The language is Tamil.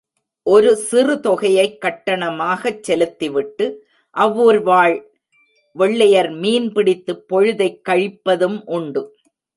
ஒரு சிறு தொகையைக் கட்டணமாகச் செலுத்திவிட்டு, அவ்வூர் வாழ் வெள்ளையர் மீன் பிடித்துப் பொழுதைக் கழிப்பதும் உண்டு.